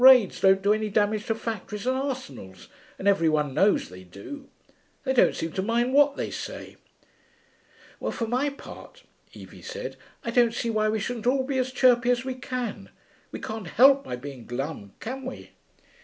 raids don't do any damage to factories and arsenals, and every one knows they do. They don't seem to mind what they say.' 'Well, for my part,' Evie said, 'I don't see why we shouldn't all be as chirpy as we can. We can't help by being glum, can we?'